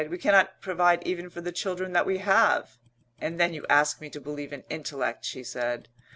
"We cannot provide even for the children that we have." "And then you ask me to believe in intellect," she said.